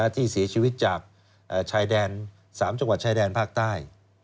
ที่เสียชีวิตจากชายแดน๓จังหวัดชายแดนภาคใต้